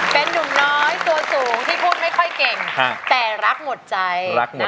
เป็นนุ่มน้อยตัวสูงที่พูดไม่ค่อยเก่งแต่รักหมดใจรักนะ